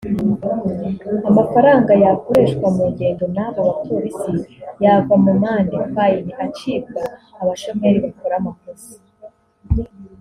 Amafaranga yakoreshwa mu ngendo n’abo bapolisi yava mu mande (fine) acibwa abashoferi bakora amakosa